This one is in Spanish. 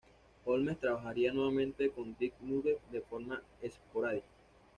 Holmes trabajaría nuevamente con Ted Nugent de forma esporádica.